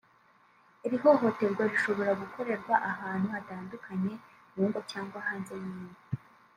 Iri hohoterwa rishobora gukorerwa ahantu hatandukanye ;mu ngo cyangwa hanze y’ingo